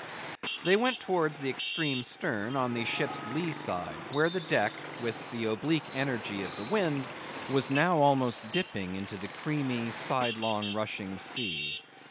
They went towards the extreme stern, on the ship's lee side, where the deck, with the oblique energy of the wind, was now almost dipping into the creamy, sidelong rushing sea.